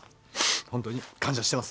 本当に感謝してます。